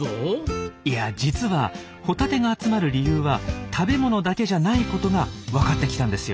いや実はホタテが集まる理由は食べ物だけじゃないことがわかってきたんですよ。